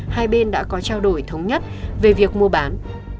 hai bên đã có trao đổi thống nhất về việc mua bán